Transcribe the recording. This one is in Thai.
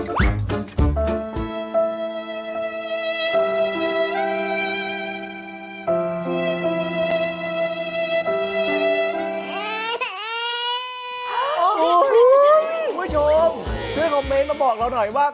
คุณผู้ชมช่วยคอมเมนต์มาบอกเราหน่อยว่า